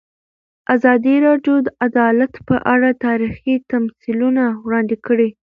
ازادي راډیو د عدالت په اړه تاریخي تمثیلونه وړاندې کړي.